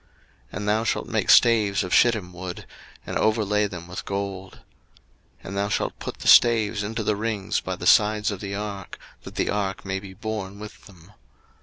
02:025:013 And thou shalt make staves of shittim wood, and overlay them with gold. 02:025:014 And thou shalt put the staves into the rings by the sides of the ark, that the ark may be borne with them.